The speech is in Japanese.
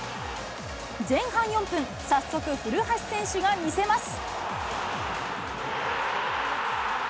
前半４分、早速、古橋選手が魅せます。